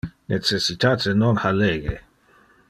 Necessitate non ha lege.